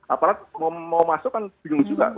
aparat mau masuk kan bingung juga